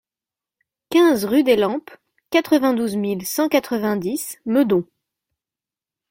quinze rue des Lampes, quatre-vingt-douze mille cent quatre-vingt-dix Meudon